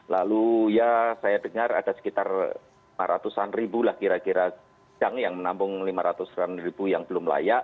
lalu ya saya dengar ada sekitar lima ratus an ribu lah kira kira jang yang menampung lima ratus an ribu yang belum layak